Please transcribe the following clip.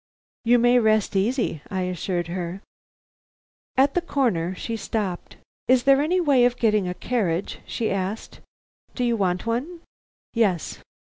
"You may rest easy," I assured her. At the corner she stopped. "Is there any way of getting a carriage?" she asked. "Do you want one?" "Yes."